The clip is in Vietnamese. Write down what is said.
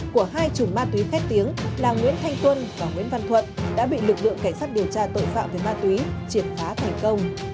của hai chùm ma túy khét tiếng là nguyễn thanh tuân và nguyễn văn thuận đã bị lực lượng cảnh sát điều tra tội phạm về ma túy triệt phá thành công